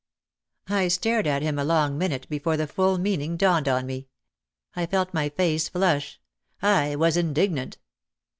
' I stared at him a long minute before the full meaning dawned on me. I felt my face flush. I was indignant.